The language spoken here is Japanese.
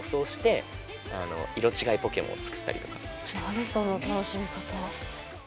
何その楽しみ方。